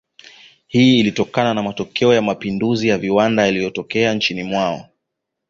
Hii ilitokana na matokeo ya mapinduzi ya viwanda yaliyotokea nchini mwao